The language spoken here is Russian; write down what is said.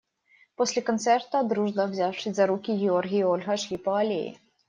После концерта, дружно взявшись за руки, Георгий и Ольга шли по аллее.